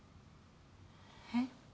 えっ？